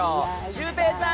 シュウペイさん！